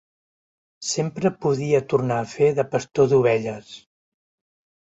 Sempre podia tornar a fer de pastor d'ovelles.